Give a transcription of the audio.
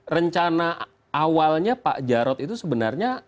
rencana awalnya pak jarod itu sebenarnya